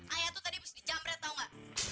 ayah tuh tadi harus dijamret tau ga